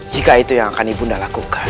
jika itu yang akan ibu undang lakukan